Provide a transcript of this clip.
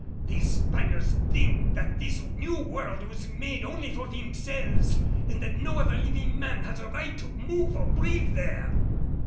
These Spaniards think that this New World was made only for themselves and that no other living man has a right to move or breathe there!"